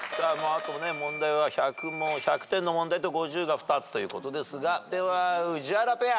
あと問題は１００点の問題と５０が２つということですがでは宇治原ペア。